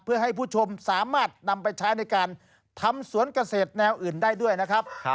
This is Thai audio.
เพื่อให้ผู้ชมสามารถนำไปใช้ในการทำสวนเกษตรแนวอื่นได้ด้วยนะครับ